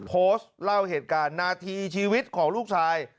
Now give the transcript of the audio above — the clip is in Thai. โพสต์เล่าเหตุการณ์นาทีชีวิตของลูกชาย